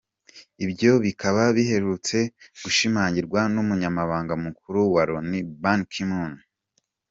Ibyo bikaba biherutse gushimangirwa n’Umunyamabanga Mukuru wa Loni, Ban Ki-moon.